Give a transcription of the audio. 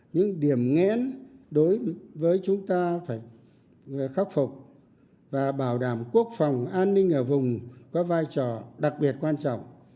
những điểm nghẽn đối với chúng ta phải khắc phục và bảo đảm quốc phòng an ninh ở vùng có vai trò đặc biệt quan trọng